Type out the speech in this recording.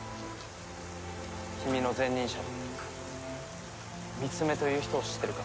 君の前任者でミツメという人を知ってるか？